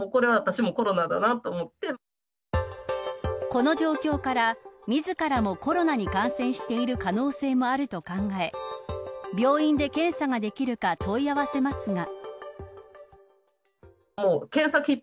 この状況から、自らもコロナに感染している可能性もあると考え病院で検査ができるか問い合わせますが。